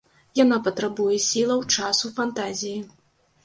Яна патрабуе сілаў, часу, фантазіі.